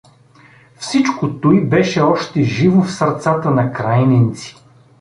Всичко туй беше още живо в сърцата на крайненци.